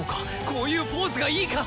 こういうポーズがいいか。